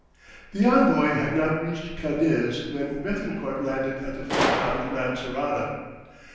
The envoy had not reached Cadiz when Béthencourt landed at the fort on Lancerota.